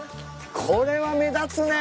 これは目立つね！